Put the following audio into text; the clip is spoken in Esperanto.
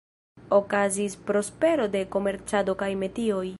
Okazis prospero de komercado kaj metioj.